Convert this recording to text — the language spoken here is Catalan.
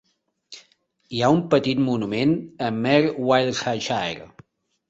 Hi ha un petit monument a Mere, Wiltshire.